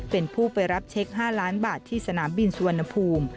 เป็นผู้ไปรับเช็ค๕ล้านบาทที่สนามบินสุวรรณภูมิ